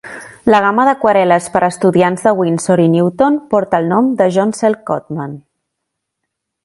La gamma d'aquarel·les per a estudiants de Winsor i Newton porta el nom de John Sell Cotman.